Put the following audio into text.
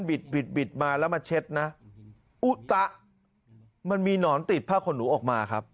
บิดบิดมาแล้วมาเช็ดนะอุตะมันมีหนอนติดผ้าขนหนูออกมาครับ